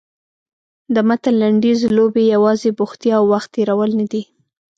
د متن لنډیز لوبې یوازې بوختیا او وخت تېرول نه دي.